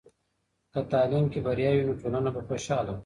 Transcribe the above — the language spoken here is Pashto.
که تعلیم کې بریا وي، نو ټولنه به خوشحاله وي.